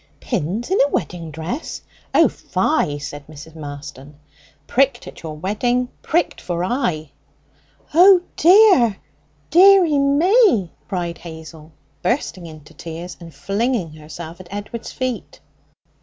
Tins in a wedding dress? Oh, fie!' said Mrs. Marston. Tricked at your wedding, pricked for aye.' 'Oh, dear, dearie me!' cried Hazel, bursting into tears, and flinging herself at Edward's feet.